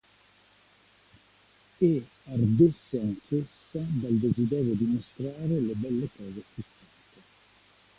E ardesse anch'essa dal desiderio di mostrare le belle cose acquistate.